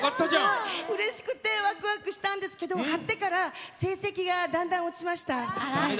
うれしくてワクワクしたんですけど貼ってから成績がだんだん落ちました。